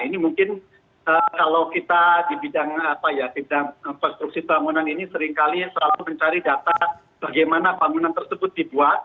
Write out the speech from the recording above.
ini mungkin kalau kita di bidang konstruksi bangunan ini seringkali selalu mencari data bagaimana bangunan tersebut dibuat